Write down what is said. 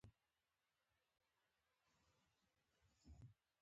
د بسونو دروازې باید په سمه توګه وتړل شي.